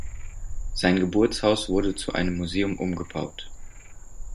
Sein Geburtshaus wurde zu einem Museum umgebaut.